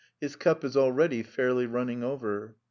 His cup is already fairly running over.